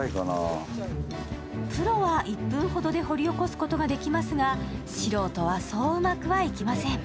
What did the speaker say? プロは１分ほどで掘り起こすことができますが素人はそううまくはいきません。